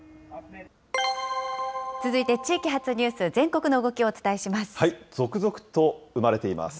続いて地域発ニュース、全国の動きをお伝えします。